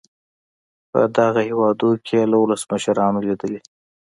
په دغو هېوادونو کې یې له ولسمشرانو لیدلي.